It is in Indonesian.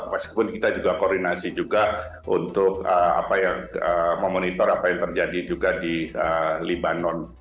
meskipun kita juga koordinasi juga untuk memonitor apa yang terjadi juga di libanon